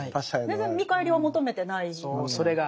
全然見返りを求めてないわけだから。